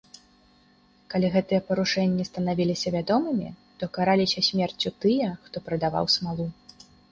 Калі гэтыя парушэнні станавіліся вядомымі, то караліся смерцю тыя, хто прадаваў смалу.